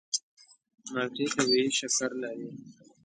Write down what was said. مالټې طبیعي شکر لري.